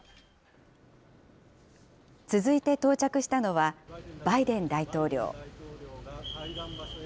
続いて到着したのは、バイデン大統領。